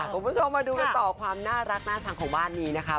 คุณผู้ชมมาดูกันต่อความน่ารักน่าชังของบ้านนี้นะคะ